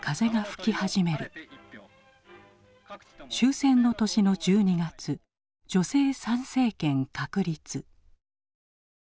終戦の年の１２月女性参政権確立。